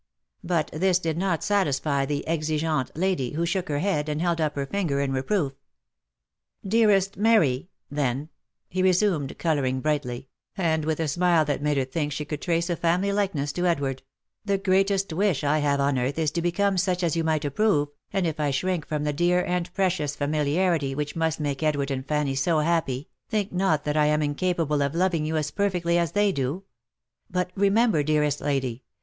But this did not satisfy the exigeante lady, who shook her head, and held up her finger in re proof. " Dearest Mary ! then —" he resumed, colouring brightly, and with a smile that made her think she could trace a family likeness to Edward, " the greatest wish I have on earth is to become such as you might approve, and if I shrink from the dear and precious fami liarity which must make Edward and Fanny so happy, think not that I am incapable of loving you as perfectly as they do ; but remember, dearest lady